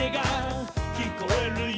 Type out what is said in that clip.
「きこえるよ」